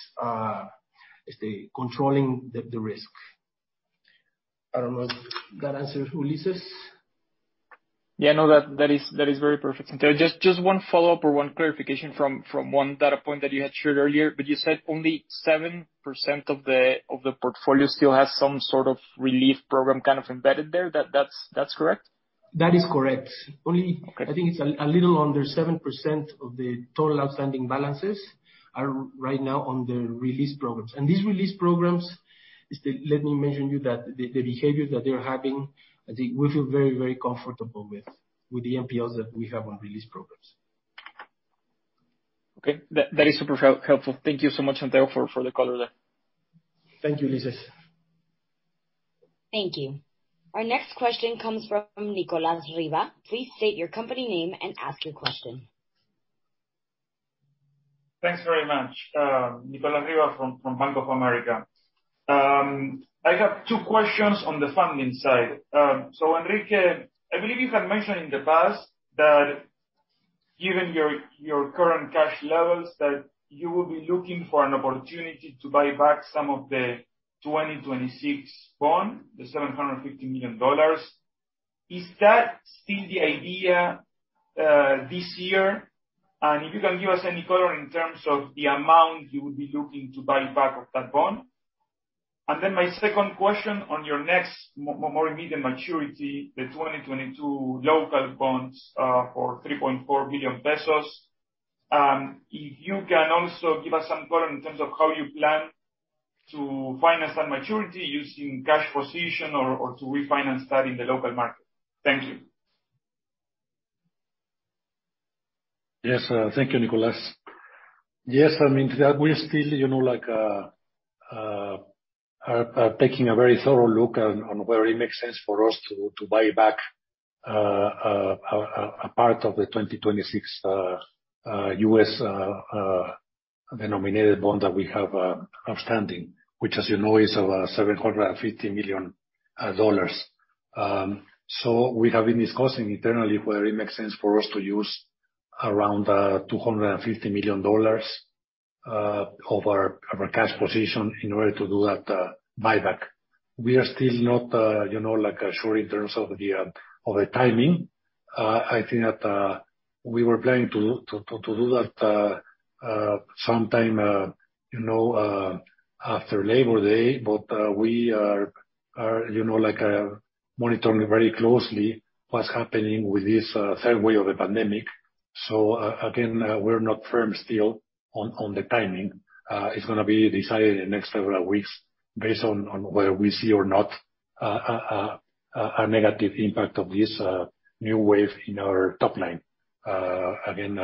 controlling the risk. I don't know if that answers Ulises. Yeah, that is very perfect. Just one follow-up or one clarification from one data point that you had shared earlier, but you said only 7% of the portfolio still has some sort of relief program kind of embedded there. That's correct? That is correct. Only I think it's a little under 7% of the total outstanding balances are right now on the relief programs. These relief programs, let me mention you that the behaviors that they're having, I think we feel very, very comfortable with the NPLs that we have on relief programs. Okay. That is super helpful. Thank you so much, Santiago, for the color there. Thank you, Ulises. Thank you. Our next question comes from Nicolas Riva. Please state your company name and ask your question. Thanks very much. Nicolas Riva from Bank of America. I have two questions on the funding side. Enrique, I believe you had mentioned in the past that given your current cash levels, that you will be looking for an opportunity to buy back some of the 2026 bond, the $750 million. Is that still the idea this year? If you can give us any color in terms of the amount you would be looking to buy back of that bond. My second question on your next more immediate maturity, the 2022 local bonds for 3.4 billion pesos, if you can also give us some color in terms of how you plan to finance that maturity using cash position or to refinance that in the local market. Thank you. Yes. Thank you, Nicolas. Yes, we are still taking a very thorough look on where it makes sense for us to buy back a part of the 2026 U.S. denominated bond that we have outstanding, which as you know, is $750 million. We have been discussing internally whether it makes sense for us to use around $250 million of our cash position in order to do that buyback. We are still not sure in terms of the timing. I think that we were planning to do that sometime after Labor Day. We are monitoring very closely what's happening with this third wave of the pandemic. Again, we're not firm still on the timing. It's going to be decided in the next several weeks based on whether we see or not a negative impact of this new wave in our top line. Again,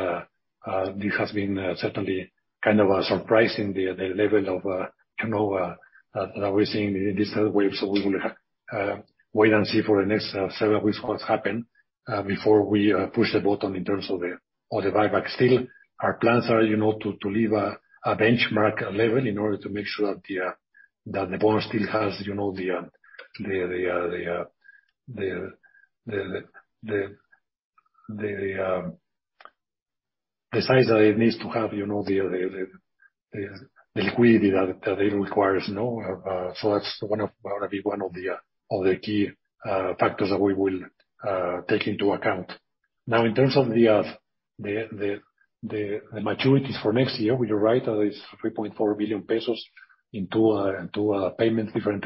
this has been certainly kind of surprising, the level of turnover that we're seeing in this third wave. We will wait and see for the next several weeks what's happened, before we push the button in terms of the buyback. Still, our plans are to leave a benchmark level in order to make sure that the bond still has the size that it needs to have, the liquidity that it requires. That's going to be one of the key factors that we will take into account. In terms of the maturities for next year, you're right, that is 3.4 billion pesos in two payments, different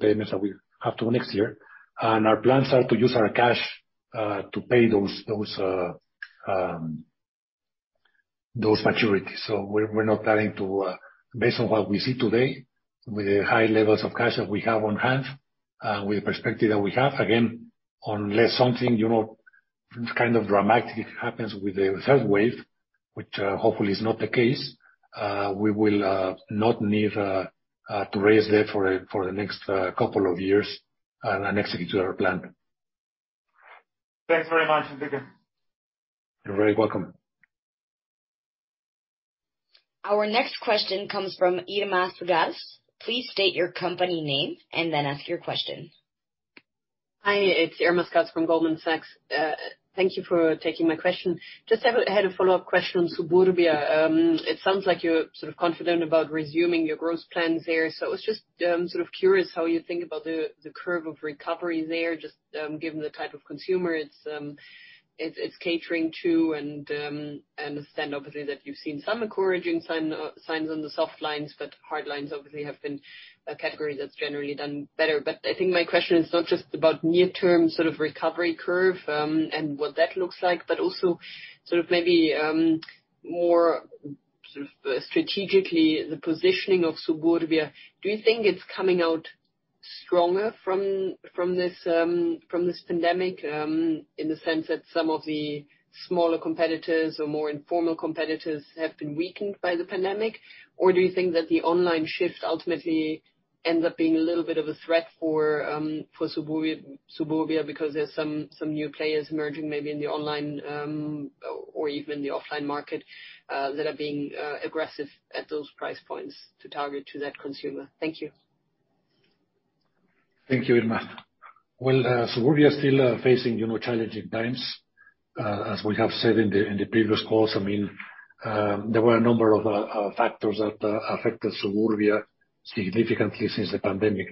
payments that we have due next year. Our plans are to use our cash, to pay those maturities. We're not planning to, based on what we see today, with the high levels of cash that we have on hand, with the perspective that we have, again, unless something kind of dramatic happens with the third wave, which hopefully is not the case, we will not need to raise debt for the next couple of years and execute to our plan. Thanks very much, Enrique. You're very welcome. Our next question comes from Irma Sgarz. Please state your company name and then ask your question. Hi, it's Irma Sgarz from Goldman Sachs. Thank you for taking my question. Just had a follow-up question on Suburbia. It sounds like you're sort of confident about resuming your growth plans there. I was just sort of curious how you think about the curve of recovery there, just given the type of consumer it's catering to and understand, obviously, that you've seen some encouraging signs on the Softlines, but Hardlines obviously have been a category that's generally done better. I think my question is not just about near term sort of recovery curve, and what that looks like, but also sort of maybe more sort of strategically the positioning of Suburbia. Do you think it's coming out stronger from this pandemic, in the sense that some of the smaller competitors or more informal competitors have been weakened by the pandemic? Do you think that the online shift ultimately ends up being a little bit of a threat for Suburbia because there's some new players emerging maybe in the online, or even in the offline market, that are being aggressive at those price points to target to that consumer? Thank you. Thank you, Irma. Well, Suburbia is still facing challenging times. As we have said in the previous calls, there were a number of factors that affected Suburbia significantly since the pandemic.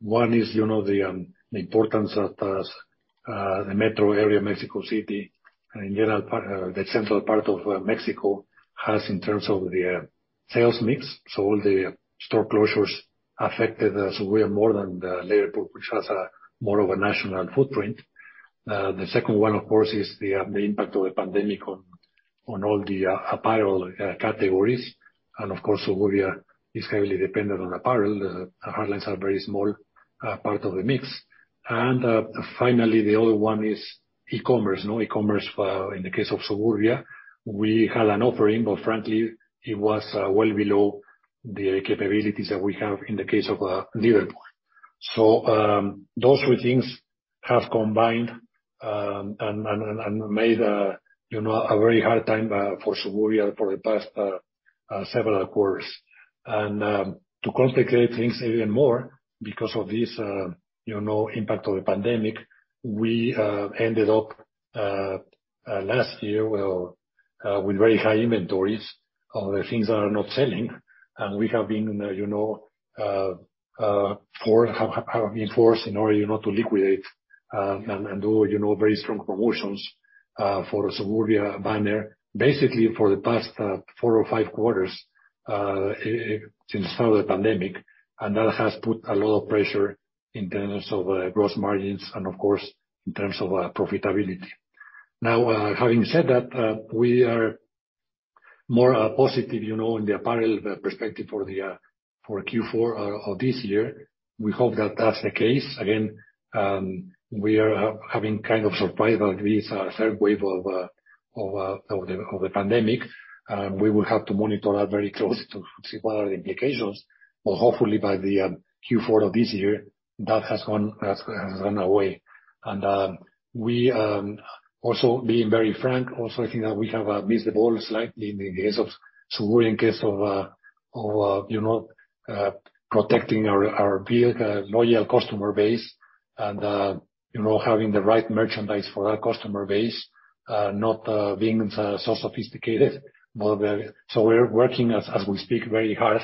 One is the importance of the metro area, Mexico City and the central part of Mexico has in terms of the sales mix. All the store closures affected us way more than Liverpool, which has more of a national footprint. The second one, of course, is the impact of the pandemic on all the apparel categories. Of course, Suburbia is heavily dependent on apparel. The Hardlines are a very small part of the mix. Finally, the other one is e-commerce. No e-commerce in the case of Suburbia. We had an offering, but frankly, it was well below the capabilities that we have in the case of Liverpool. Those three things have combined and made a very hard time for Suburbia for the past several quarters. To complicate things even more, because of this impact of the pandemic, we ended up, last year, with very high inventories of the things that are not selling. We have been forced in order not to liquidate and do very strong promotions for Suburbia banner basically for the past four or five quarters since the start of the pandemic. That has put a lot of pressure in terms of gross margins and of course, in terms of profitability. Having said that, we are more positive in the apparel perspective for Q4 of this year. We hope that that's the case. Again, we are having kind of surprised with this third wave of the pandemic. We will have to monitor that very closely to see what are the implications. Hopefully, by the Q4 of this year, that has gone away. Also being very frank, also I think that we have missed the ball slightly in the case of Suburbia in case of protecting our built loyal customer base and having the right merchandise for that customer base, not being so sophisticated. We're working, as we speak, very hard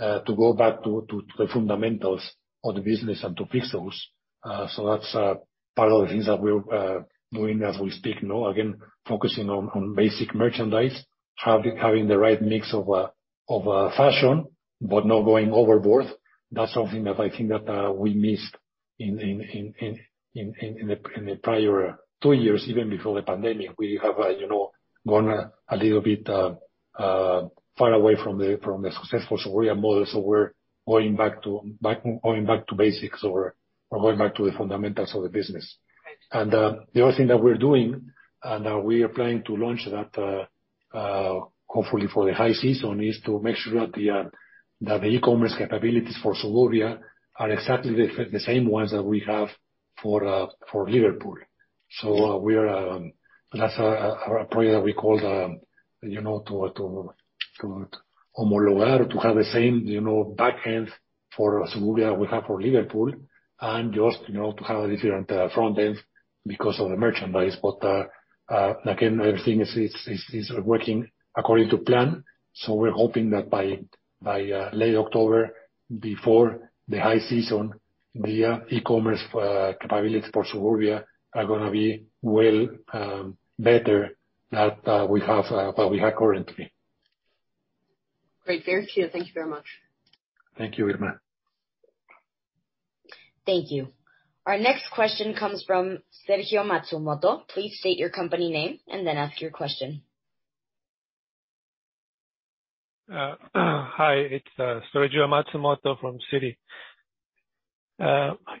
to go back to the fundamentals of the business and to fix those. That's part of the things that we're doing as we speak now. Again, focusing on basic merchandise, having the right mix of fashion, but not going overboard. That's something that I think that we missed in the prior two years, even before the pandemic. We have gone a little bit far away from the successful Suburbia model. We're going back to basics or going back to the fundamentals of the business. The other thing that we're doing, and we are planning to launch that hopefully for the high season, is to make sure that the e-commerce capabilities for Suburbia are exactly the same ones that we have for Liverpool. That's a project we call to homologar, to have the same backend for Suburbia that we have for Liverpool and just to have a different front end because of the merchandise. Again, everything is working according to plan. We're hoping that by late October, before the high season, the e-commerce capabilities for Suburbia are going to be well better than we have currently. Great. Fair to you. Thank you very much. Thank you, Irma. Thank you. Our next question comes from Sergio Matsumoto. Please state your company name and then ask your question. Hi, it's Sergio Matsumoto from Citi.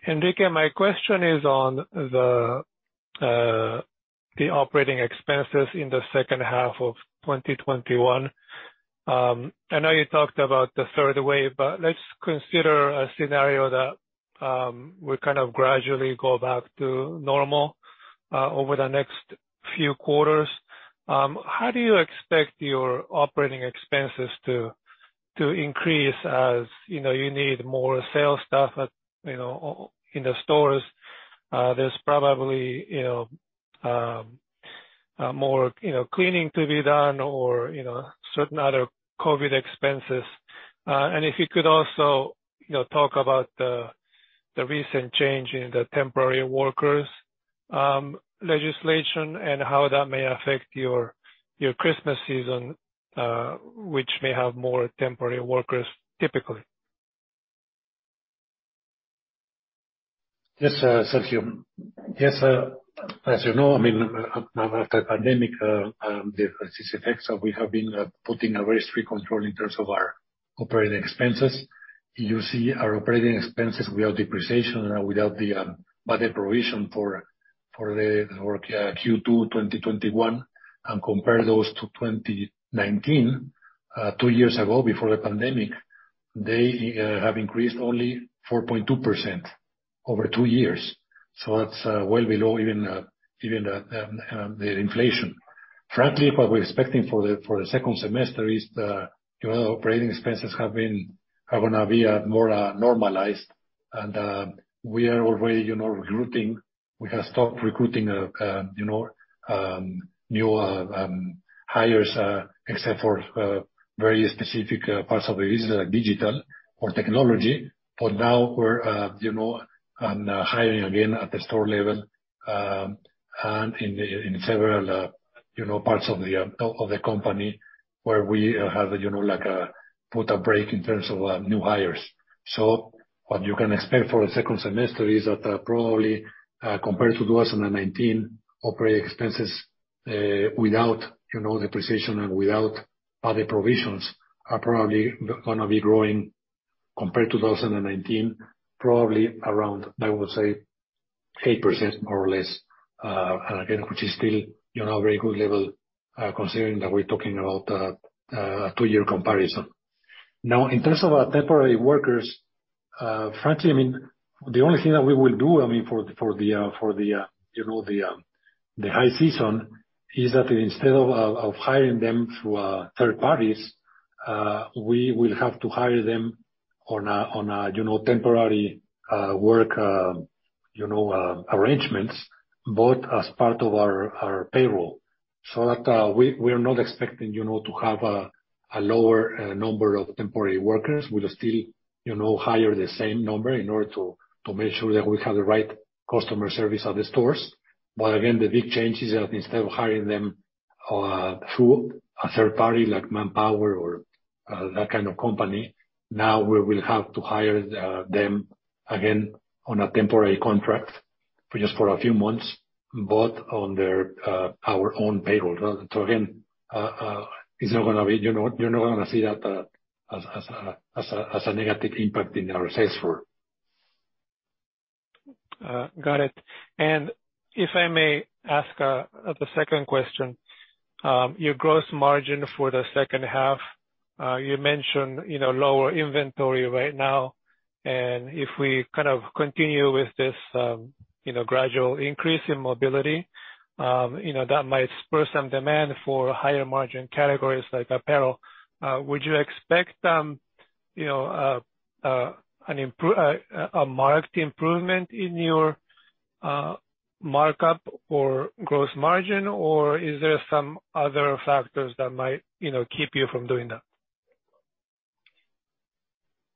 Enrique, my question is on the operating expenses in the second half of 2021. I know you talked about the third wave, but let's consider a scenario that we kind of gradually go back to normal over the next few quarters. How do you expect your operating expenses to increase as you need more sales staff in the stores? There's probably more cleaning to be done or certain other COVID expenses. If you could also talk about the recent change in the temporary workers legislation and how that may affect your Christmas season, which may have more temporary workers typically. Yes, Sergio. Yes. As you know, after pandemic, the effects that we have been putting a very strict control in terms of our operating expenses. You see our operating expenses without depreciation and without the bad debt provision for the Q2 2021, and compare those to 2019, two years ago, before the pandemic, they have increased only 4.2% over two years. That's well below even the inflation. Frankly, what we're expecting for the second semester is the general operating expenses are gonna be more normalized. We are already recruiting. We have stopped recruiting new hires except for very specific parts of the business, like digital or technology. For now, we're hiring again at the store level and in several parts of the company where we have put a break in terms of new hires. What you can expect for the second semester is that probably, compared to 2019, operating expenses, without the depreciation and without other provisions, are probably going to be growing compared to 2019, probably around, I would say, 8% more or less. Again, which is still very good level, considering that we're talking about a two-year comparison. In terms of our temporary workers, frankly, the only thing that we will do, for the high season, is that instead of hiring them through third parties, we will have to hire them on temporary work arrangements, but as part of our payroll. We're not expecting to have a lower number of temporary workers. We'll still hire the same number in order to make sure that we have the right customer service at the stores. Again, the big change is that instead of hiring them through a third party like Manpower or that kind of company, now we will have to hire them again on a temporary contract just for a few months, but on our own payroll. Again, you're not going to see that as a negative impact in our sales floor. Got it. If I may ask the second question. Your gross margin for the second half, you mentioned lower inventory right now, and if we continue with this gradual increase in mobility, that might spur some demand for higher margin categories like apparel. Would you expect a marked improvement in your markup or gross margin, or are there some other factors that might keep you from doing that?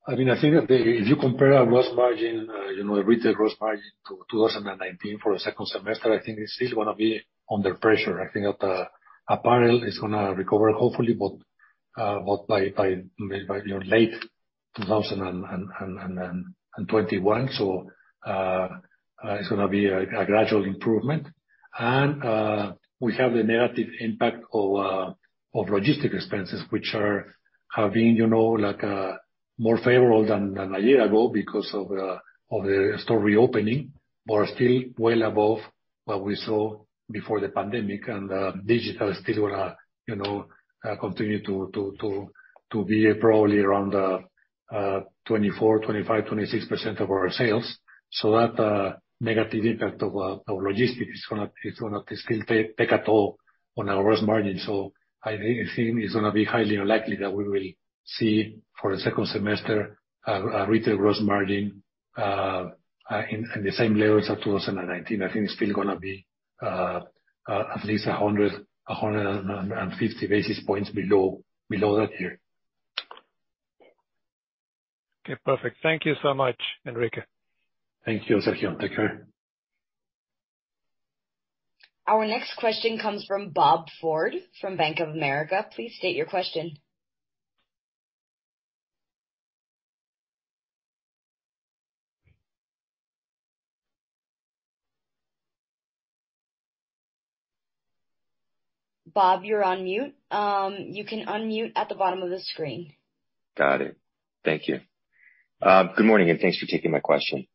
I think if you compare our gross margin, retail gross margin to 2019 for the second semester, I think it's still going to be under pressure. I think that apparel is going to recover hopefully by late 2021. It's going to be a gradual improvement. We have the negative impact of logistic expenses, which are having more favorable than a year ago because of the store reopening, but still well above what we saw before the pandemic. Digital is still going to continue to be probably around 24%, 25%, 26% of our sales. That negative impact of our logistic is going to still take a toll on our gross margin. I think it's going to be highly unlikely that we will see, for the second semester, a retail gross margin in the same level as of 2019. I think it's still going to be at least 100, 150 basis points below that year. Okay, perfect. Thank you so much, Enrique. Thank you, Sergio. Take care. Our next question comes from Bob Ford from Bank of America. Please state your question. Bob, you're on mute. You can unmute at the bottom of the screen. Got it. Thank you. Good morning, and thanks for taking my question.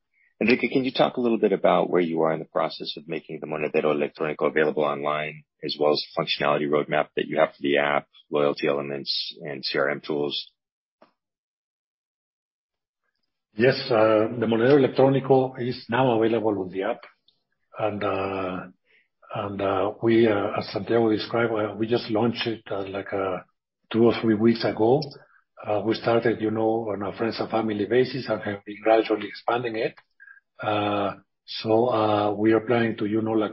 Enrique, can you talk a little bit about where you are in the process of making the Monedero Electrónico available online as well as the functionality roadmap that you have for the app, loyalty elements and CRM tools? Yes. The Monedero Electrónico is now available on the app. As Santiago described, we just launched it two or three weeks ago. We started on a friends and family basis and have been gradually expanding it. We are planning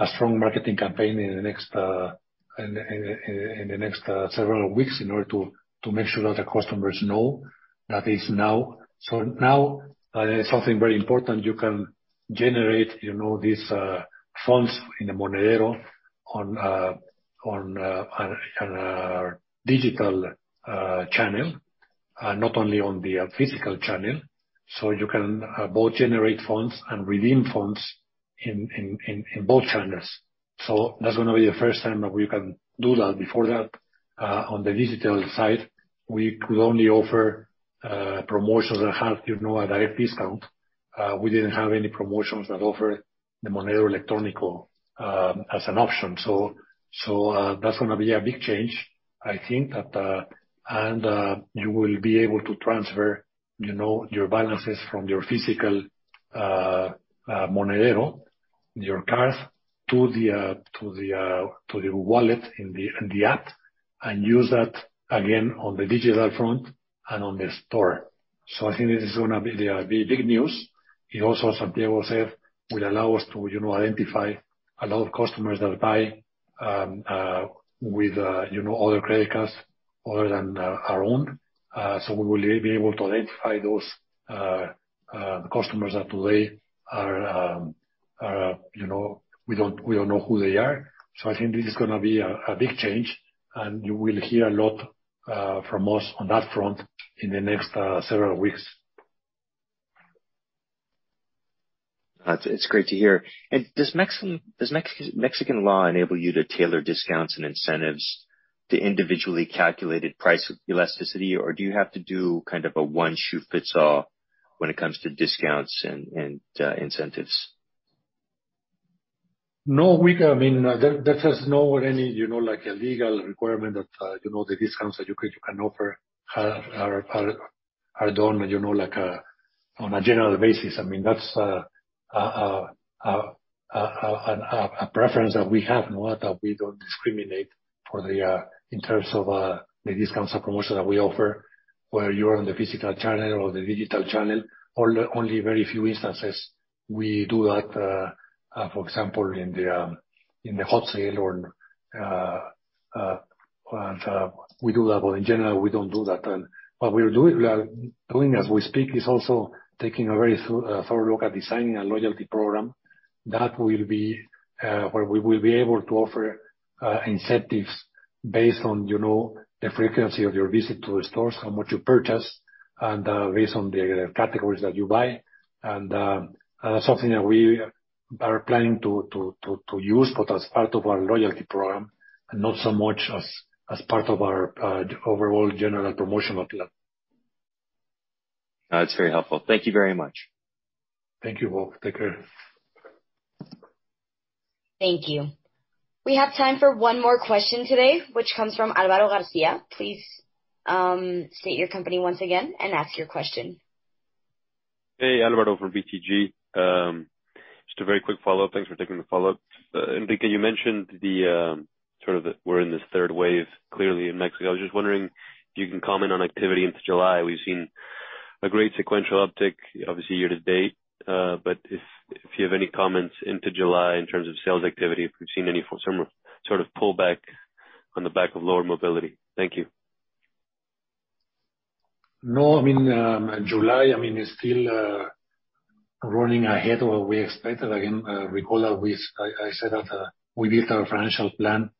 a strong marketing campaign in the next several weeks in order to make sure that the customers know that is now. Now, something very important, you can generate these funds in the Monedero on our digital channel, not only on the physical channel. You can both generate funds and redeem funds in both channels. That's going to be the first time that we can do that. Before that, on the digital side, we could only offer promotions that have a direct discount. We didn't have any promotions that offer the Monedero Electrónico as an option. That's going to be a big change, I think. You will be able to transfer your balances from your physical Monedero, your card, to the wallet in the app and use that again on the digital front and on the store. I think this is going to be big news. It also, as Santiago said, will allow us to identify a lot of customers that buy with other credit cards other than our own. We will be able to identify those customers that we don't know who they are. I think this is going to be a big change, and you will hear a lot from us on that front in the next several weeks. That's great to hear. Does Mexican law enable you to tailor discounts and incentives to individually calculated price elasticity, or do you have to do a one-shoe-fits-all when it comes to discounts and incentives? No. There is no legal requirement that the discounts that you can offer are done on a general basis. That's a preference that we have, that we don't discriminate in terms of the discounts or promotions that we offer, whether you're on the physical channel or the digital channel, or only very few instances. We do that, for example, in the wholesale. In general, we don't do that. What we are doing as we speak is also taking a very thorough look at designing a loyalty program where we will be able to offer incentives based on the frequency of your visit to the stores, how much you purchase, and based on the categories that you buy, something that we are planning to use, but as part of our loyalty program, and not so much as part of our overall general promotion. That's very helpful. Thank you very much. Thank you, Bob. Take care. Thank you. We have time for one more question today, which comes from Alvaro Garcia. Please state your company once again and ask your question. Hey, Alvaro from BTG. Just a very quick follow-up. Thanks for taking the follow-up. Enrique, you mentioned we're in this third wave, clearly in Mexico. I was just wondering if you can comment on activity into July. We've seen a great sequential uptick, obviously year to date. If you have any comments into July in terms of sales activity, if we've seen any sort of pullback on the back of lower mobility. Thank you. July is still running ahead where we expected. Recall I said that we beat our financial plan.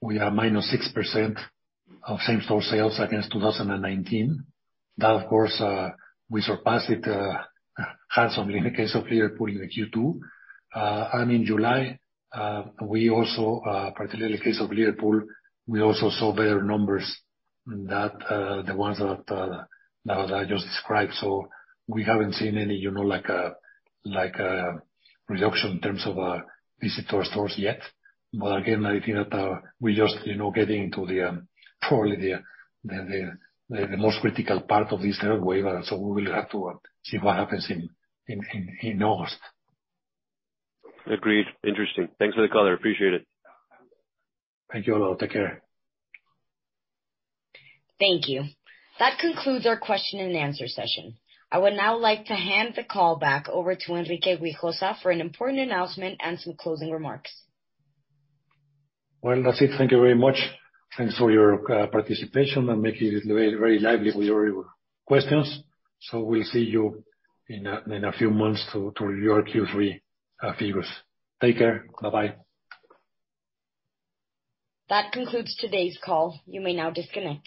We are -6% of same-store sales against 2019. Of course, we surpassed it handsomely in the case of Liverpool in Q2. In July, particularly the case of Liverpool, we also saw better numbers than the ones that just described. We haven't seen any reduction in terms of visit to our stores yet. Again, I think that we're just getting into probably the most critical part of this third wave. We will have to see what happens in August. Agreed. Interesting. Thanks for the color. Appreciate it. Thank you, Alvaro. Take care. Thank you. That concludes our question and answer session. I would now like to hand the call back over to Enrique Güijosa for an important announcement and some closing remarks. Well, that's it. Thank you very much. Thanks for your participation, and making it very lively with your questions. We'll see you in a few months to review our Q3 figures. Take care. Bye-bye. That concludes today's call. You may now disconnect.